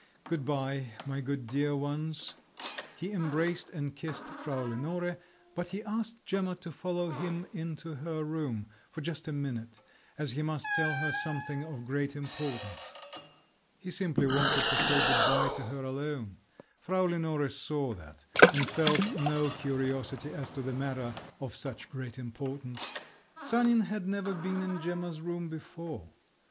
Good bye, my good dear ones…." He embraced and kissed Frau Lenore, but he asked Gemma to follow him into her room—for just a minute—as he must tell her something of great importance. He simply wanted to say good bye to her alone. Frau Lenore saw that, and felt no curiosity as to the matter of such great importance. Sanin had never been in Gemma's room before.